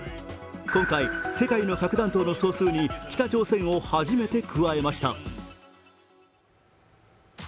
今回、世界の核弾頭の総数に北朝鮮を初めて加えました。